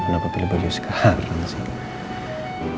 kenapa pilih baju sekarang